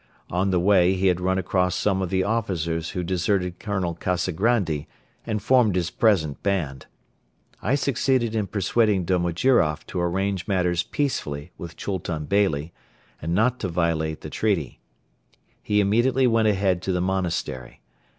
On the way he had run across some of the officers who deserted Colonel Kazagrandi and formed his present band. I succeeded in persuading Domojiroff to arrange matters peacefully with Chultun Beyli and not to violate the treaty. He immediately went ahead to the monastery.